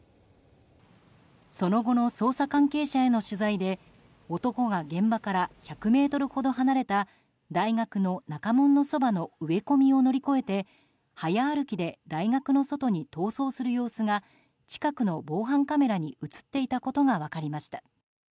その後の捜査関係者への取材で男が現場から１００ｍほど離れた大学の中門のそばの植え込みを乗り越えて早歩きで大学の外に逃走する様子が近くの防犯カメラに映っていたことが分かりました。